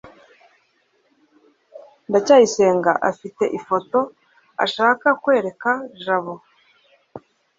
ndacyayisenga afite ifoto ashaka kwereka jabo